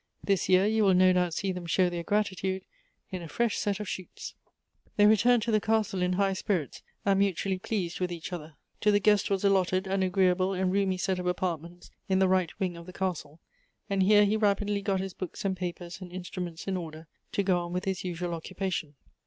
This year you will no doubt see them show their grati tude in a fresh set of shoots." They returned to the castle in high spirits, and mu tually pleased with each other. To the guest was allotted an agreeable and roomy set of apartments in the right wing of the castle ; and here he rapidly got his books and papers and instruments in order, to go on with his usual occupation.